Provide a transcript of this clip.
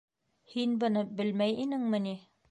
Һин быны белмәй инеңме ни?